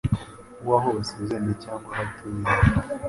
w'aho basezeraniye cyangwa aho atuye,